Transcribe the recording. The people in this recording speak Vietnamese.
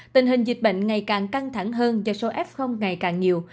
tình hình dịch bệnh ngày càng căng thẳng hơn do số f ngày càng nhiều